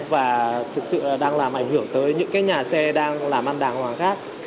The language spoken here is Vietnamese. và thực sự đang làm ảnh hưởng tới những cái nhà xe đang làm ăn đàng hoàng khác